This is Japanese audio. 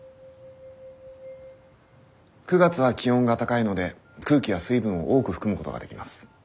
９月は気温が高いので空気は水分を多く含むことができます。